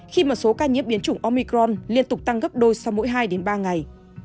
khi một số ca nhiễm biến chủng omicron liên tục tăng gấp đôi sau mỗi hai ba ngày